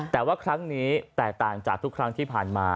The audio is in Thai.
แต่ว่าครั้งนี้แตกต่างจากทุกครั้งที่ผ่านมา